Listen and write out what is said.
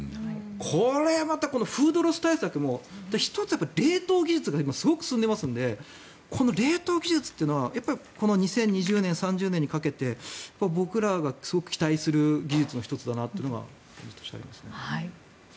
これはまた、フードロス対策も１つ、冷凍技術が今、すごく進んでますのでこの冷凍技術というのはこの２０２０年、３０年にかけて僕らがすごく期待する技術の１つだなというのがありますね。